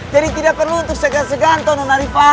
jadi tidak perlu untuk segan segan nona riva